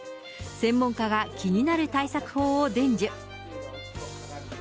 専門家が気になる対策法を伝授。